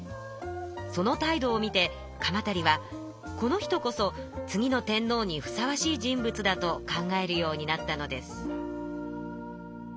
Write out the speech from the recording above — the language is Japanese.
その態度を見て鎌足は「この人こそ次の天皇にふさわしい人物だ」と考えるようになったのです。